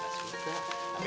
udah gak apa apa